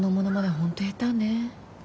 本当下手ねぇ。